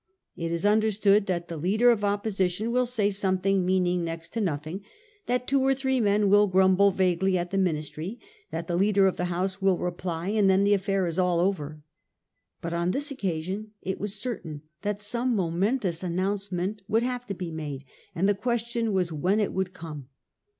It is understood that the leader of opposition will say something meaning next to nothing ; that two or three men will grumble vaguely at the Minis try ; that the leader of the House will reply ; and then the affair is all over. But on this occasion it was certain that some momentous announcement would have to be made ; and the question was when it would come.